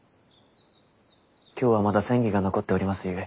今日はまだ詮議が残っておりますゆえ。